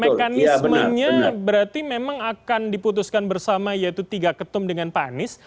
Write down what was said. mekanismenya berarti memang akan diputuskan bersama yaitu tiga ketum dengan pak anies